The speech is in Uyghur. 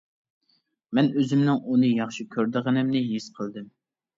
مەن ئۆزۈمنىڭ ئۇنى ياخشى كۆرىدىغىنىمنى ھېس قىلدىم.